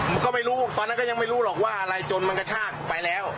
มันก็ไม่รู้ตอนนั้นก็ยังไม่รู้หรอกว่าอะไรจนมันกระชากไปแล้ว